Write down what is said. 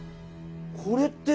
これって。